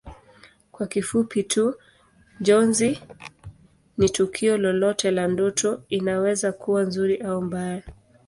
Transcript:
Kwa kifupi tu Njozi ni tukio lolote la ndoto inaweza kuwa nzuri au mbaya